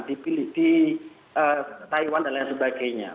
dipilih di taiwan dan lain sebagainya